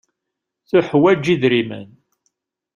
Tuḥwaǧ idrimen.